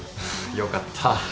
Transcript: よかった。